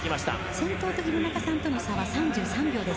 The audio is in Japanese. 先頭と廣中さんとの差は３３秒です。